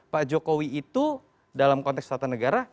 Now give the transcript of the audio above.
pak jokowi itu dalam konteks tata negara